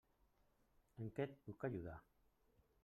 En què et puc ajudar?